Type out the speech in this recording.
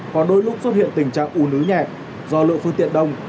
còn đôi lúc xuất hiện tình trạng ủ nứ nhẹp do lượng phương tiện đông